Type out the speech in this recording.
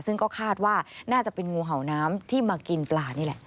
ซึ่งก็คาดว่าน่าจะเป็นงูเห่าน้ำที่มากินปลานี่แหละ